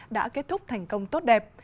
đã kết thúc thành công tốt đẹp